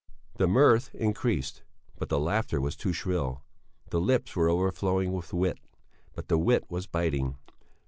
The mirth increased, but the laughter was too shrill; the lips were overflowing with wit, but the wit was biting.